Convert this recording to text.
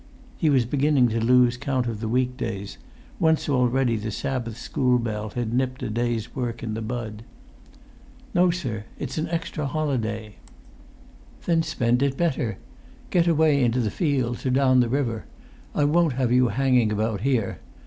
He was beginning to lose count of the week days;[Pg 191] once already the Sabbath school bell had nipped a day's work in the bud. "No, sir, it's an extra holiday." "Then spend it better. Get away into the fields, or down the river. I won't have you hanging about here.